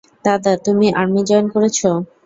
দাদা, তুমি army join করেছ।